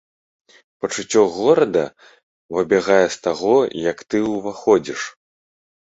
Пачуццё горада выбягае з таго, як ты ўваходзіш.